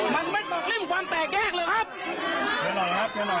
มันไม่ตกลิ้มความแตกแยกหรือครับ